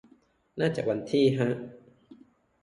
น่าจะวันที่ ฮะ